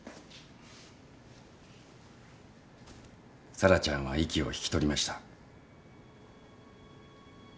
沙羅ちゃんは息を引き取りました。